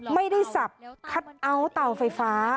ไม่ได้สับคัทเอาท์เตาไฟฟ้า